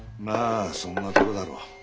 まあそんなとこだろう。